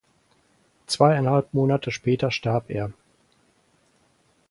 Zweieinhalb Monate später starb er.